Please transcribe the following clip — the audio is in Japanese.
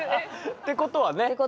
ってことはね。